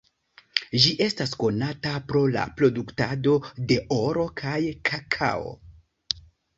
Ĝi estas konata pro la produktado de oro kaj kakao.